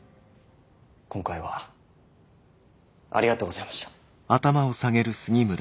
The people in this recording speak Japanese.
今回はありがとうございました。